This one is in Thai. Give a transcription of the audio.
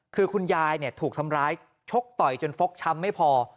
คือคุณยายถูกทำร้ายชกต่อยจนฟกช้ำไม่พอ